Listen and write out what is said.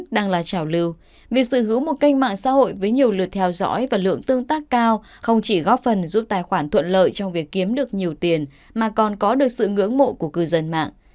đang là trào lưu việc sở hữu một kênh mạng xã hội với nhiều lượt theo dõi và lượng tương tác cao không chỉ góp phần giúp tài khoản thuận lợi trong việc kiếm được nhiều tiền mà còn có được sự ngưỡng mộ của cư dân mạng